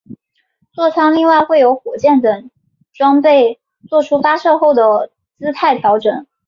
坐舱另外会有火箭等装备作出发射后的姿态调整。